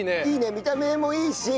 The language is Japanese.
見た目もいいし。